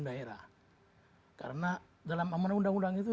daerah karena dalam amanah undang undang itu